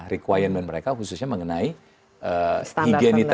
requirement mereka khususnya mengenai higienitas